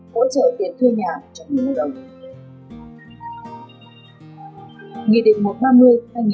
hỗ trợ tiền thuê nhà cho những người đồng